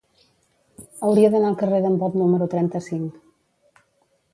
Hauria d'anar al carrer d'en Bot número trenta-cinc.